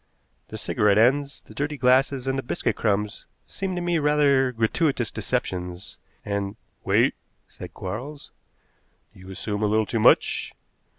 The cigarette ends, the dirty glasses, and the biscuit crumbs seem to me rather gratuitous deceptions, and " "Wait," said Quarles. "You assume a little too much.